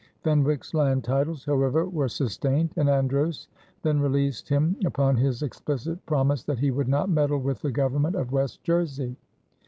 Fenwick's land titles, however, were sustained, and Andros then released him upon his explicit promise that he would not meddle with the government of West Jersey.